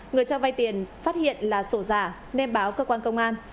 người cho vay tiền phát hiện là sổ giả nên báo cơ quan công an